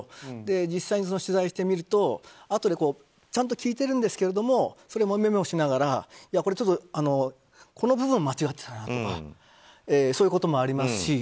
実際に取材してみると、あとでちゃんと聞いているんですがそれをメモしながらやっぱりこの部分は間違っていたかなとかそういうこともありますし。